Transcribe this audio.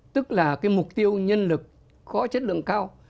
tức là cái mục tiêu nhân lực có chất lượng cao